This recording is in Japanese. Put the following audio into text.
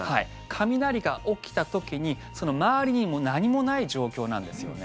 雷が起きた時に周りに何もない状況なんですね。